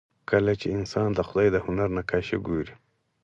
کله چې انسان د خدای د هنر نقاشي ګوري